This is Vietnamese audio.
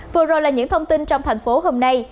vừa rồi là những thông tin trong thành phố hôm nay